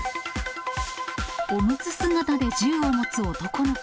おむつ姿で銃を持つ男の子。